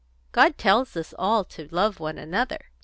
God tells us all to love one another."